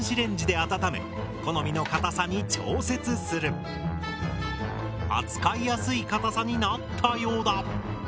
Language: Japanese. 使う時に扱いやすい硬さになったようだ。